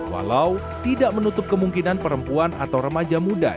walau tidak menutup kemungkinan perempuan atau remaja muda